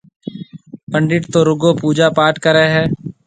پنڊِيت تو رُگو پوجا پاٽ ڪريَ هيَ۔